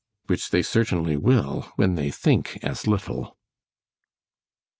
——Which they certainly will, when they think as little.